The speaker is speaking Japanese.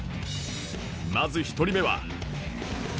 まず１人目は